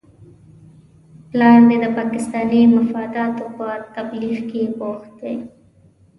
پلار دې د پاکستاني مفاداتو په تبلیغ کې بوخت دی؟